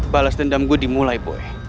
balas dendam gue dimulai boleh